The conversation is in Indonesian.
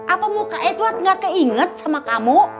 apa muka edward gak keinget sama kamu